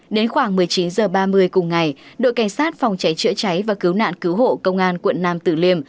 đến khoảng một mươi chín h ba mươi cùng ngày đội cảnh sát phòng cháy chữa cháy và cứu nạn cứu hộ công an quận nam tử liêm